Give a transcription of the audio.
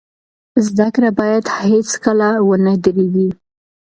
زده کړه باید هیڅکله ونه دریږي.